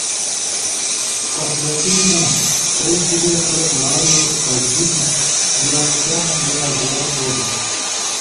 تخلیقی بو۔، تھئی جیبے خلق لالو عیجنا یا کم یا زیاد بونو۔